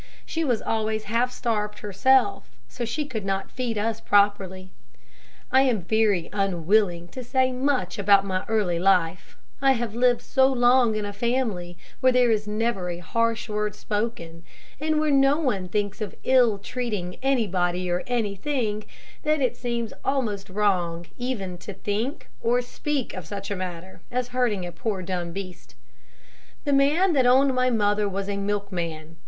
She was always half starved herself, so she could not feed us properly. I am very unwilling to say much about my early life, I have lived so long in a family where there is never a harsh word spoken, and where no one thinks of ill treating anybody or anything, that it seems almost wrong even to think or speak of such a matter as hurting a poor dumb beast. The man that owned my mother was a milkman.